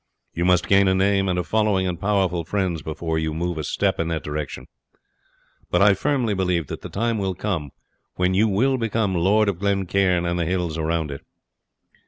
You must gain a name and a following and powerful friends before you move a step in that direction; but I firmly believe that the time will come when you will become lord of Glencairn and the hills around it.